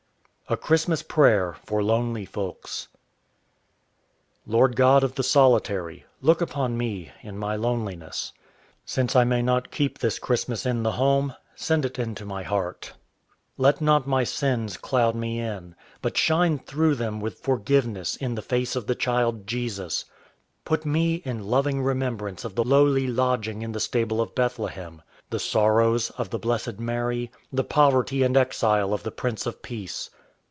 _ A CHRISTMAS PRAYER FOR LONELY FOLKS Lord God of the solitary, Look upon me in my loneliness. Since I may not keep this Christmas in the home, Send it into my heart. Let not my sins cloud me in, But shine through them with forgiveness in the face of the child Jesus. Put me in loving remembrance of the lowly lodging in the stable of Bethlehem, The sorrows of the blessed Mary, the poverty and exile of the Prince of Peace.